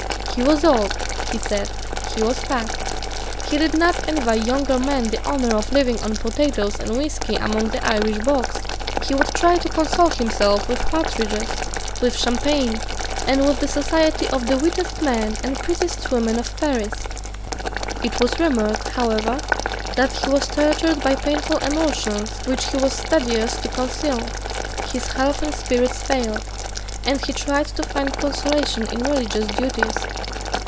He was old, he said: he was fat: he did not envy younger men the honour of living on potatoes and whiskey among the Irish bogs; he would try to console himself with partridges, with champagne, and with the society of the wittiest men and prettiest women of Paris. It was rumoured, however that he was tortured by painful emotions which he was studious to conceal: his health and spirits failed; and he tried to find consolation in religious duties.